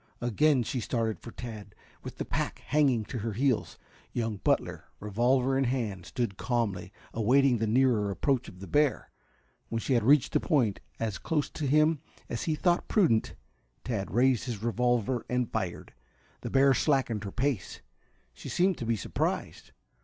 Again she started for Tad with the pack hanging to her heels. Young Butler, revolver in hand, stood calmly awaiting the nearer approach of the bear. When she had reached a point as close to him as he thought prudent, Tad raised his revolver and fired. The bear slackened her pace. She seemed to be surprised.